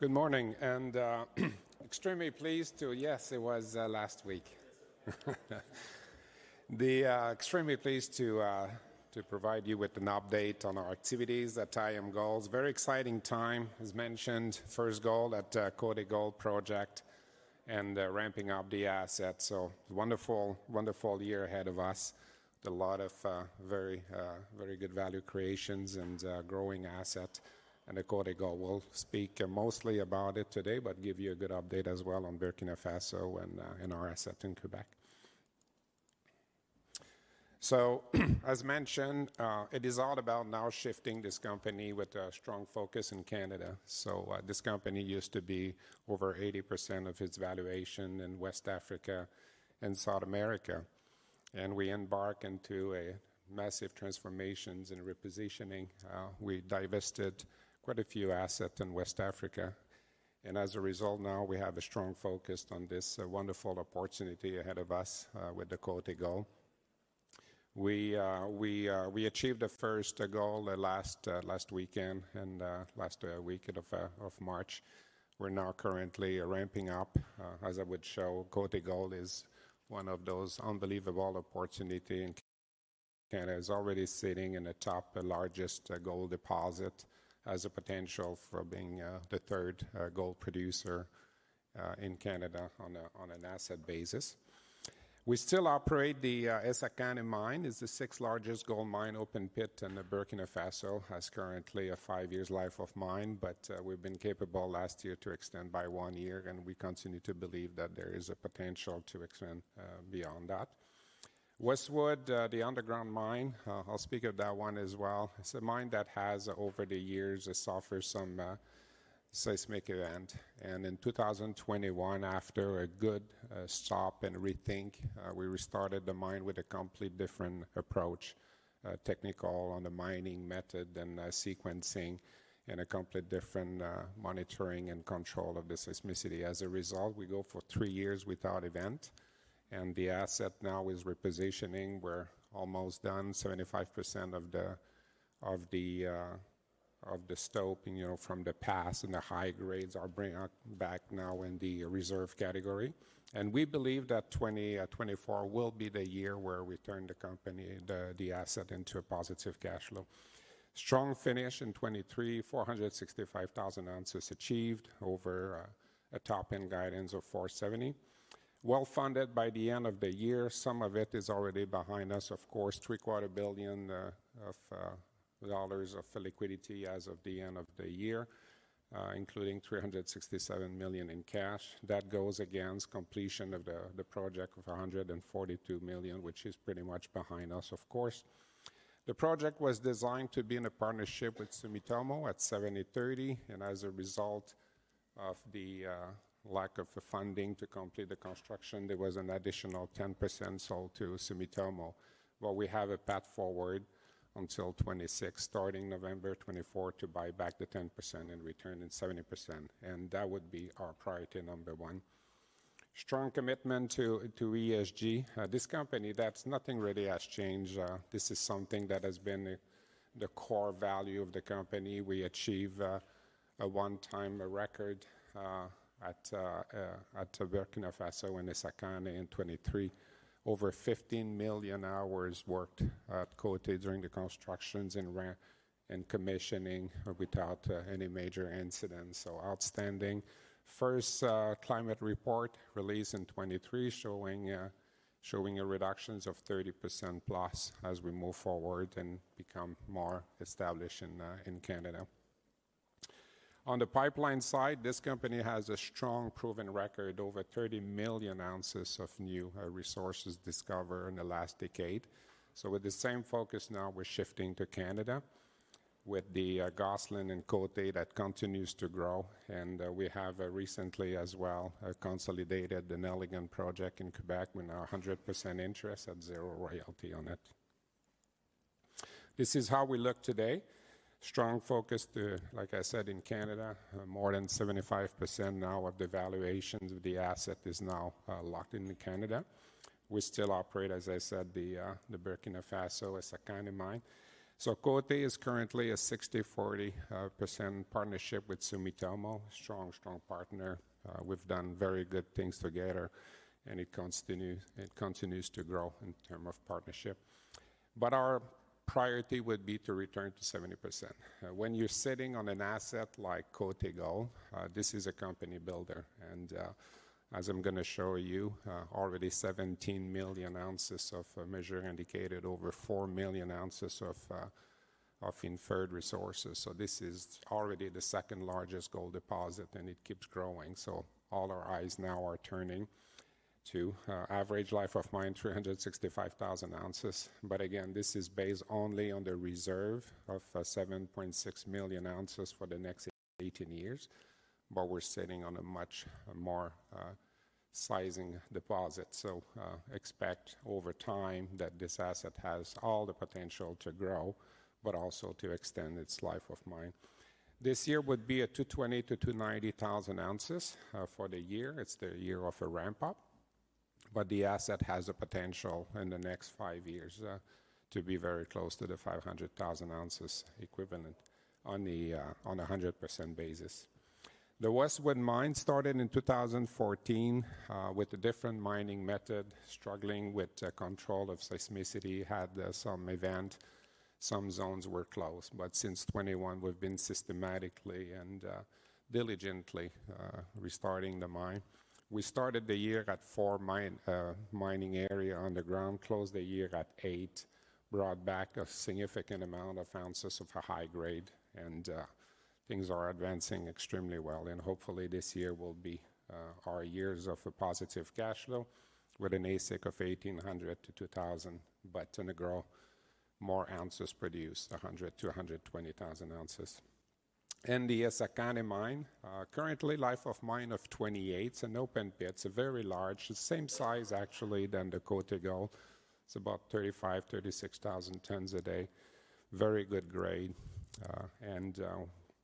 Good morning. Extremely pleased to provide you with an update on our activities at IAMGOLD. Very exciting time, as mentioned, first goal at Côté Gold project and ramping up the assets. Wonderful, wonderful year ahead of us with a lot of very, very good value creations and growing assets. And the Côté Gold—we'll speak mostly about it today, but give you a good update as well on Burkina Faso and our assets in Quebec. As mentioned, it is all about now shifting this company with a strong focus in Canada. This company used to be over 80% of its valuation in West Africa and South America. We embark into massive transformations and repositioning. We divested quite a few assets in West Africa. As a result, now we have a strong focus on this wonderful opportunity ahead of us with the Côté Gold. We achieved the first goal last weekend of March. We're now currently ramping up. As I would show, Côté Gold is one of those unbelievable opportunities in Canada. It's already sitting in the top largest gold deposit as a potential for being the third gold producer in Canada on an asset basis. We still operate the Essakane Mine. It's the sixth largest open pit gold mine in Burkina Faso. It has currently a five-year life of mine. But we've been capable last year to extend by one year. And we continue to believe that there is a potential to extend beyond that. Westwood, the underground mine - I'll speak of that one as well. It's a mine that has, over the years, suffered some seismic event. In 2021, after a good stop and rethink, we restarted the mine with a completely different approach, technical on the mining method and sequencing, and a completely different monitoring and control of the seismicity. As a result, we go for three years without event. The asset now is repositioning. We're almost done. 75% of the scoping, you know, from the past and the high grades are bringing back now in the reserve category. We believe that 2024 will be the year where we turn the company the asset into a positive cash flow. Strong finish in 2023. 465,000 ounces achieved over a top-end guidance of 470,000. Well-funded by the end of the year. Some of it is already behind us, of course. $750 million of dollars of liquidity as of the end of the year, including $367 million in cash. That goes against completion of the project of $142 million, which is pretty much behind us, of course. The project was designed to be in a partnership with Sumitomo at 70/30. And as a result of the, lack of funding to complete the construction, there was an additional 10% sold to Sumitomo. But we have a path forward until 2026, starting November 2024, to buy back the 10% and return in 70%. And that would be our priority number one. Strong commitment to ESG. This company, that's nothing really has changed. This is something that has been the core value of the company. We achieved a one-time record at Burkina Faso and Essakane in 2023. Over 15 million hours worked at Côté during the constructions and commissioning without any major incidents. So outstanding. First climate report released in 2023 showing reductions of 30%+ as we move forward and become more established in Canada. On the pipeline side, this company has a strong proven record. Over 30 million ounces of new resources discovered in the last decade. So with the same focus now, we're shifting to Canada with the Gosselin and Côté that continues to grow. And we have recently as well consolidated the Nelligan project in Quebec with 100% interest at zero royalty on it. This is how we look today. Strong focus to, like I said, in Canada. More than 75% now of the valuations of the asset is now locked in Canada. We still operate, as I said, the Burkina Faso, Essakane Mine. So Côté is currently a 60/40% partnership with Sumitomo. Strong, strong partner. We've done very good things together. It continues to grow in terms of partnership. But our priority would be to return to 70%. When you're sitting on an asset like Côté Gold, this is a company builder. And as I'm going to show you, already 17 million ounces of measured and indicated, over 4 million ounces of Inferred resources. So this is already the second largest gold deposit. And it keeps growing. So all our eyes now are turning to average life of mine, 365,000 ounces. But again, this is based only on the reserve of 7.6 million ounces for the next 18 years. But we're sitting on a much more sizable deposit. So expect over time that this asset has all the potential to grow but also to extend its life of mine. This year would be 220,000-290,000 ounces for the year. It's the year of a ramp-up. But the asset has the potential in the next 5 years to be very close to the 500,000 ounces equivalent on a 100% basis. The Westwood mine started in 2014 with a different mining method, struggling with control of seismicity. Had some event. Some zones were closed. But since 2021, we've been systematically and diligently restarting the mine. We started the year at 4 mining areas underground, closed the year at 8, brought back a significant amount of ounces of a high grade. And things are advancing extremely well. And hopefully, this year will be our year of a positive cash flow with an AISC of $1,800-$2,000 but to grow more ounces produced, 100,000-120,000 ounces. And the Essakane Mine, currently life of mine of 28. It's an open pit. It's very large. It's the same size, actually, than the Côté Gold. It's about 35,000-36,000 tons a day. Very good grade. And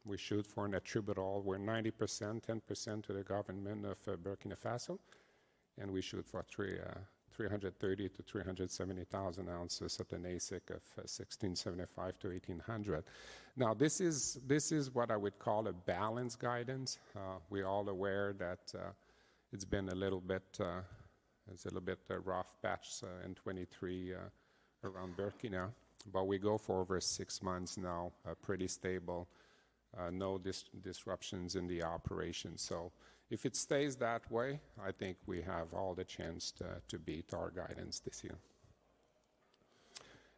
we shoot for an attributable. We're 90%, 10% to the government of Burkina Faso. And we shoot for 330,000-370,000 ounces at an AISC of $1,675-$1,800. Now, this is what I would call a balanced guidance. We're all aware that it's been a little bit it's a little bit rough patch in 2023 around Burkina. But we go for over six months now, pretty stable. No disruptions in the operations. So if it stays that way, I think we have all the chance to beat our guidance this year.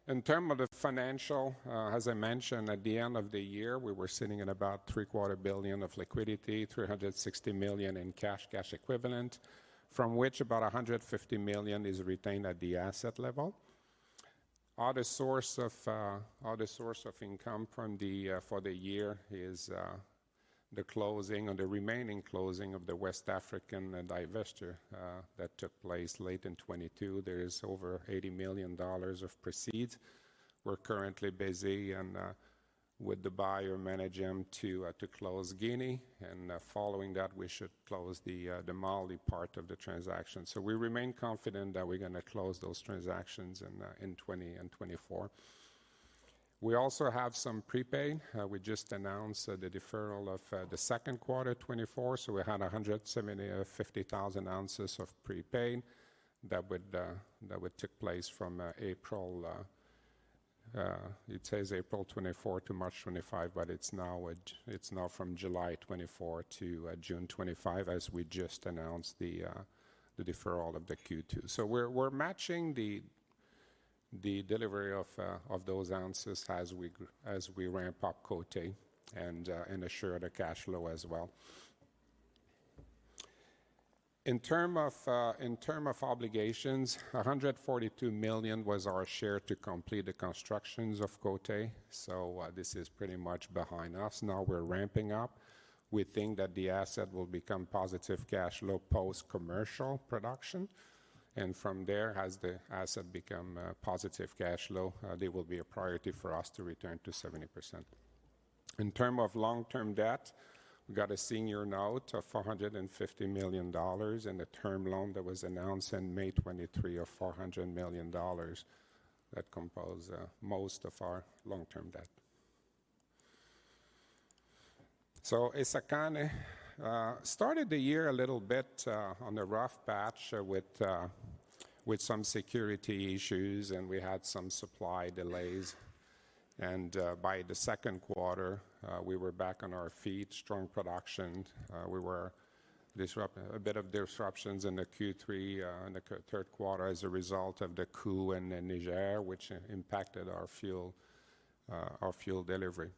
In terms of the financial, as I mentioned, at the end of the year, we were sitting at about $750 million of liquidity, $360 million in cash, cash equivalent, from which about $150 million is retained at the asset level. Other source of income for the year is the closing or the remaining closing of the West African divestiture that took place late in 2022. There is over $80 million of proceeds. We're currently busy with the buyer managing to close Guinea. And following that, we should close the Mali part of the transaction. So we remain confident that we're going to close those transactions in 2020 and 2024. We also have some prepaid. We just announced the deferral of the second quarter 2024. So we had 150,000 ounces of prepaid that took place from April it says April 2024 to March 2025. But it's now from July 2024 to June 2025, as we just announced the deferral of the Q2. So we're matching the delivery of those ounces as we ramp up Côté and assure the cash flow as well. In terms of obligations, $142 million was our share to complete the construction of Côté. So this is pretty much behind us. Now we're ramping up. We think that the asset will become positive cash flow post-commercial production. And from there, as the asset becomes positive cash flow, there will be a priority for us to return to 70%. In terms of long-term debt, we've got a senior note of $450 million and a term loan that was announced in May 2023 of $400 million that composes most of our long-term debt. So Essakane started the year a little bit on a rough patch with some security issues. And we had some supply delays. And by the second quarter, we were back on our feet, strong production. We were disrupted a bit of disruptions in the Q3, in the third quarter, as a result of the coup in Niger, which impacted our fuel delivery.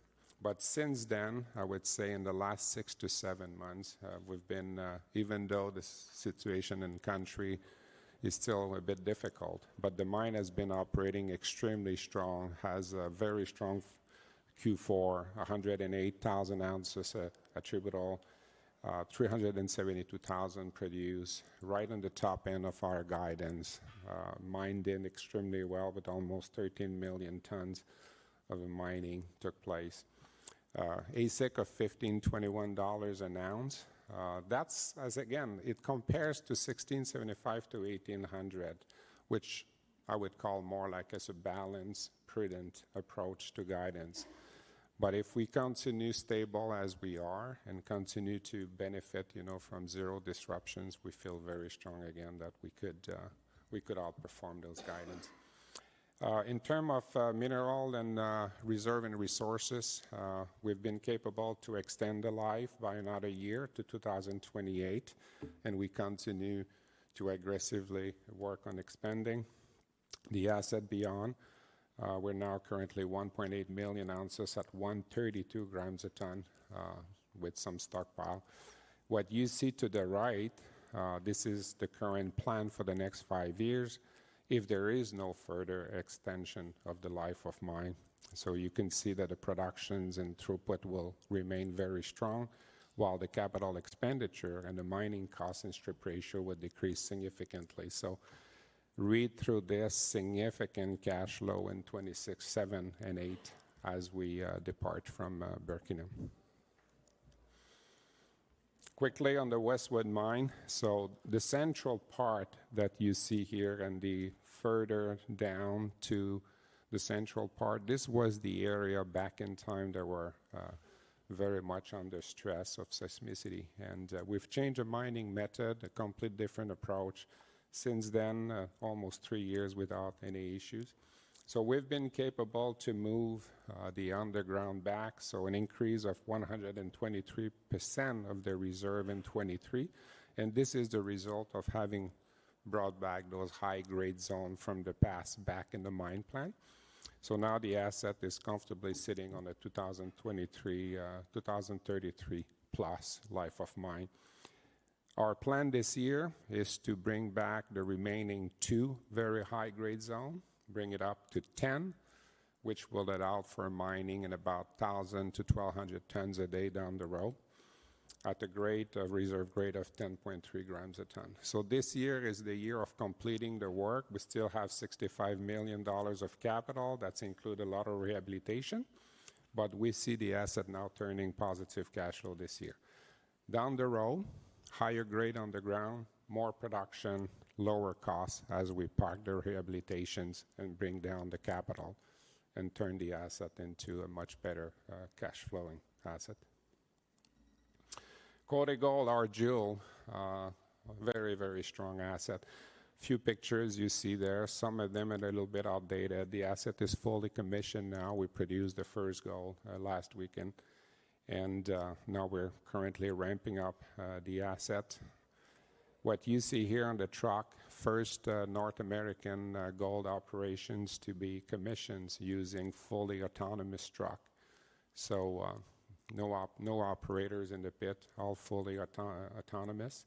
But since then, I would say in the last six to seven months, we've been even though the situation in the country is still a bit difficult, but the mine has been operating extremely strong, has a very strong Q4, 108,000 ounces attributable, 372,000 produced right on the top end of our guidance. Mined extremely well, but almost 13 million tons of mining took place. AISC of $1,521 an ounce. That's, as again, it compares to 1,675-1,800 which I would call more like a balanced, prudent approach to guidance. But if we continue stable as we are and continue to benefit, you know, from zero disruptions, we feel very strong again that we could we could outperform those guidances. In terms of mineral and reserve and resources, we've been capable to extend the life by another year to 2028. We continue to aggressively work on expanding the asset beyond. We're now currently 1.8 million ounces at 132 grams a ton with some stockpile. What you see to the right, this is the current plan for the next five years if there is no further extension of the life of mine. So you can see that the production and throughput will remain very strong while the capital expenditure and the mining cost and strip ratio would decrease significantly. So read through this significant cash flow in 2026, 2027, and 2028 as we depart from Burkina. Quickly on the Westwood mine. So the central part that you see here and the further down to the central part, this was the area back in time that were very much under stress of seismicity. We've changed the mining method, a completely different approach since then, almost three years without any issues. So we've been capable to move the underground back. So an increase of 123% of the reserve in 2023. And this is the result of having brought back those high-grade zones from the past back in the mine plant. So now the asset is comfortably sitting on a 2,033+ life of mine. Our plan this year is to bring back the remaining two very high-grade zones, bring it up to 10, which will allow for mining in about 1,000-1,200 tons a day down the road at a reserve grade of 10.3 grams a ton. So this year is the year of completing the work. We still have $65 million of capital. That's included a lot of rehabilitation. But we see the asset now turning positive cash flow this year. Down the road, higher grade underground, more production, lower costs as we park the rehabilitations and bring down the capital and turn the asset into a much better cash-flowing asset. Côté Gold, our jewel, a very, very strong asset. Few pictures you see there, some of them a little bit outdated. The asset is fully commissioned now. We produced the first gold last weekend. Now we're currently ramping up the asset. What you see here on the truck, first North American gold operations to be commissioned using fully autonomous trucks. No operators in the pit, all fully autonomous.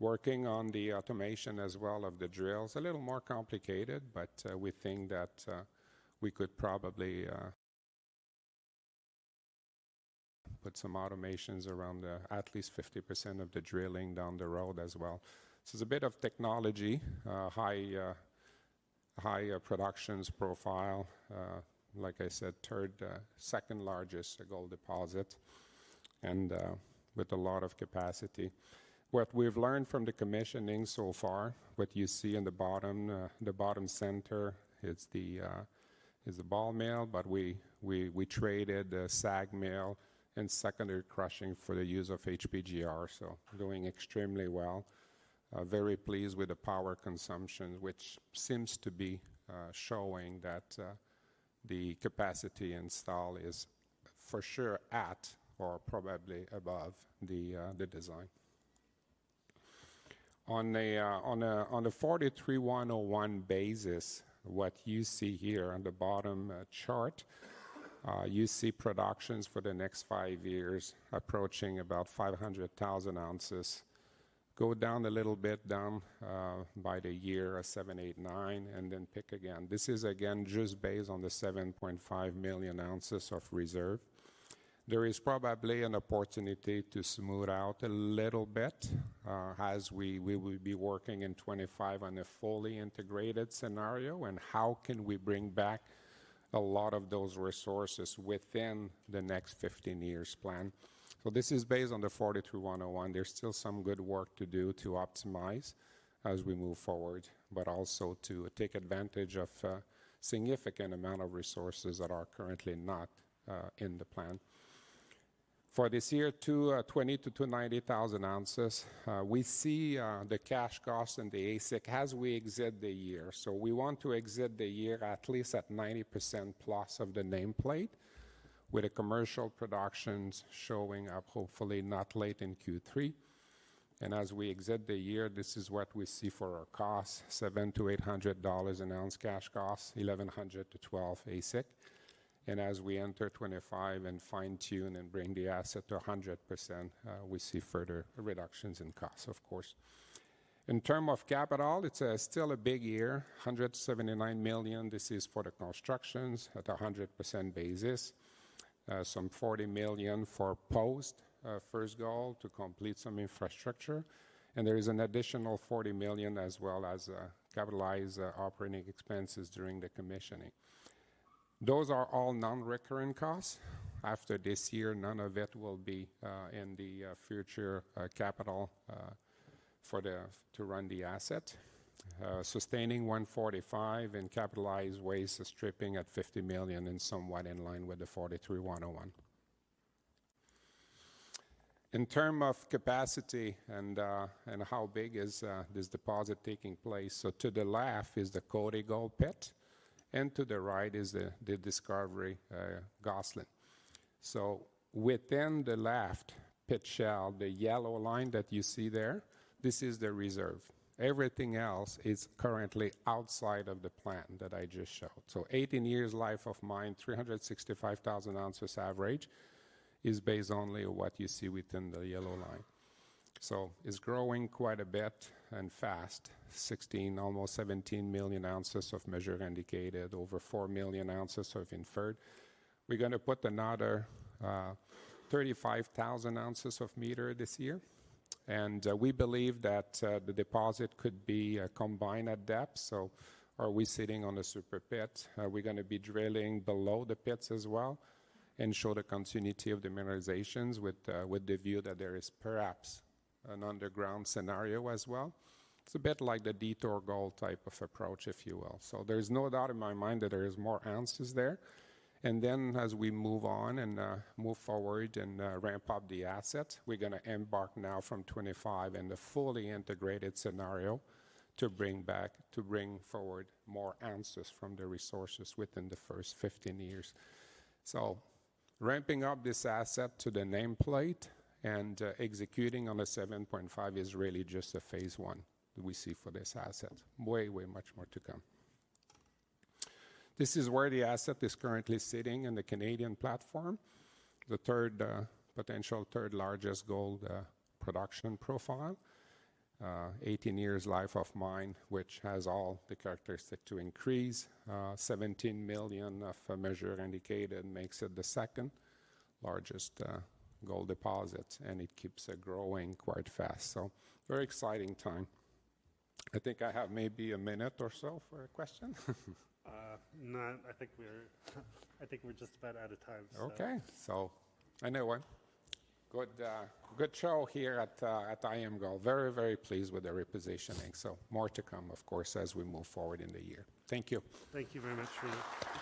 Working on the automation as well of the drills, a little more complicated. But we think that we could probably put some automations around at least 50% of the drilling down the road as well. So it's a bit of technology, high productions profile, like I said, third, second largest gold deposit and with a lot of capacity. What we've learned from the commissioning so far, what you see in the bottom, the bottom center, it's the ball mill. But we traded the SAG mill and secondary crushing for the use of HPGR. So doing extremely well. Very pleased with the power consumption, which seems to be showing that the capacity installed is for sure at or probably above the design. On a 43-101 basis, what you see here on the bottom chart, you see productions for the next five years approaching about 500,000 ounces. Go down a little bit down by the year, 7, 8, 9 and then pick again. This is, again, just based on the 7.5 million ounces of reserve. There is probably an opportunity to smooth out a little bit as we will be working in 2025 on a fully integrated scenario. And how can we bring back a lot of those resources within the next 15 years plan? So this is based on the 43-101. There's still some good work to do to optimize as we move forward but also to take advantage of a significant amount of resources that are currently not in the plan. For this year, 220,000-290,000 ounces, we see the cash costs and the AISC as we exit the year. So we want to exit the year at least at 90%+ of the nameplate with the commercial productions showing up, hopefully, not late in Q3. As we exit the year, this is what we see for our costs, $700-$800 an ounce cash costs, $1,100-$1,200 AISC. And as we enter 2025 and fine-tune and bring the asset to 100%, we see further reductions in costs, of course. In terms of capital, it's still a big year, $179 million. This is for the constructions at a 100% basis, some $40 million for post-first goal to complete some infrastructure. And there is an additional $40 million as well as capitalized operating expenses during the commissioning. Those are all non-recurrent costs. After this year, none of it will be in the future capital to run the asset, sustaining $145 million and capitalized waste stripping at $50 million and somewhat in line with the NI 43-101. In terms of capacity and how big is this deposit taking place, so to the left is the Côté Gold pit. To the right is the Discovery Gosselin. So within the left pit shell, the yellow line that you see there, this is the reserve. Everything else is currently outside of the plan that I just showed. So 18 years Life of Mine, 365,000 ounces average, is based only on what you see within the yellow line. So it's growing quite a bit and fast, 16, almost 17 million ounces of Measured and Indicated, over 4 million ounces of inferred. We're going to put another 35,000 ounces of Measured this year. And we believe that the deposit could be mined at depth. So are we sitting on a super pit? Are we going to be drilling below the pits as well and show the continuity of the mineralization with the view that there is perhaps an underground scenario as well? It's a bit like the Côté Gold type of approach, if you will. So there's no doubt in my mind that there are more ounces there. And then as we move on and move forward and ramp up the asset, we're going to embark now from 2025 in the fully integrated scenario to bring back to bring forward more ounces from the resources within the first 15 years. So ramping up this asset to the nameplate and executing on a 7.5 is really just a Phase 1 that we see for this asset, way, way much more to come. This is where the asset is currently sitting in the Canadian platform, the potential third largest gold production profile, 18 years life of mine, which has all the characteristics to increase, 17 million measured and indicated makes it the second largest gold deposit. And it keeps growing quite fast. So, very exciting time. I think I have maybe a minute or so for a question. No. I think we're just about out of time, so. OK. Good show here at IAMGOLD. Very, very pleased with the repositioning. So more to come, of course, as we move forward in the year. Thank you. Thank you very much, Renaud.